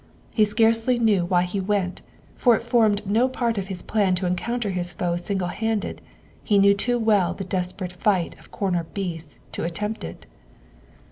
He scarcely knew why he went, for it formed no part of his plan to encounter his foe single handed; he knew too well the desperate fight of cornered beasts to at tempt it.